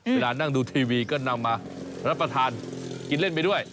เวลานั่งดูทีวีก็นำมารับประทานกินเล่นไปด้วย